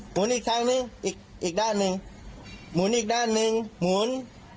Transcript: หนอีกทางนึงอีกอีกด้านหนึ่งหมุนอีกด้านหนึ่งหมุน